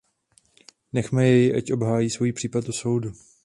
Nechme jej, ať obhájí svůj případ u soudu.